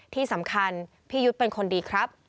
ที่สำคัญพี่ยุทธ์เป็นคนดีครับ